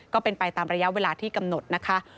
ก็เป็นไปตามระยะเวลาที่กำหนดนะคะ